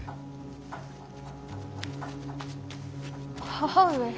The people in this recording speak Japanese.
母上。